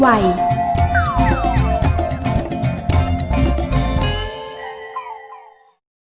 มันเป็นเพราะว่า